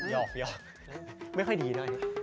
ยอบไม่ค่อยดีหน่อย